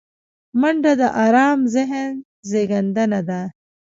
منډه د آرام ذهن زیږنده ده